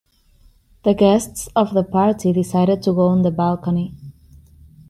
The guests of the party decided to go on the balcony.